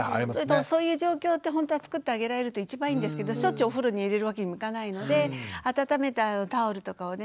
そういう状況ってほんとはつくってあげられると一番いいんですけどしょっちゅうお風呂に入れるわけにもいかないので温めたタオルとかをね